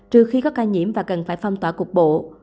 trừ khi có ca nhiễm và cần phải phong tỏa cục bộ